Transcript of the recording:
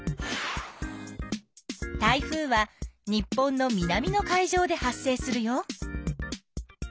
台風は日本の南の海上で発生するよ。